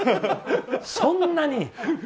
そんなに！